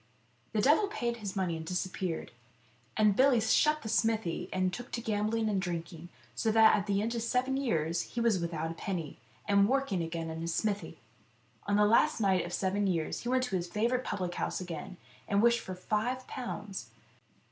The devil paid his money and disappeared, and Billy shut the smithy and took to gambling and drink ing, so that at the end of seven years he was without a penny, and working again in his smithy. On the last night of the seven years he went to his favourite public house again, and wished for five pounds.